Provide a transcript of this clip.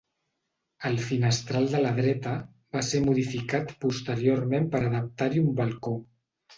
El finestral de la dreta, va ser modificat posteriorment per a adaptar-hi un balcó.